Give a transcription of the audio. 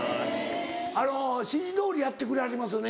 指示どおりやってくれはりますよね